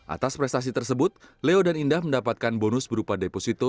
atas prestasi tersebut leo dan indah mendapatkan bonus berupa deposito